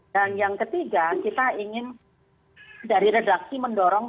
dan yang ketiga kita ingin dari redaksi mendorong